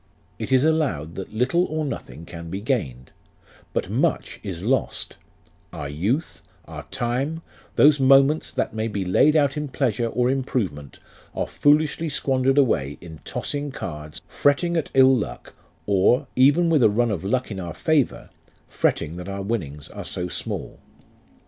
It is allowed that little or nothing can be gained ; but much is lost ; our youth, our time, those moments that may be laid out in pleasure or improve ment, are foolishly squandered away in tossing cards, fretting at ill luck, or, even with a run of luck in our favour, fretting that our winnings are so small.